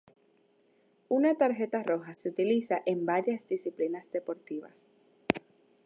Una tarjeta roja se utiliza en varias disciplinas deportivas.